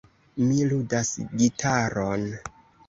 Mi ludas gitaron.